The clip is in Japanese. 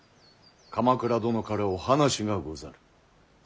鎌倉殿からお話がござる。